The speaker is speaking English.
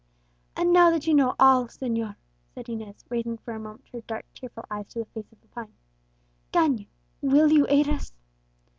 "And now that you know all, señor," said Inez, raising for a moment her dark tearful eyes to the face of Lepine, "can you will you aid us?"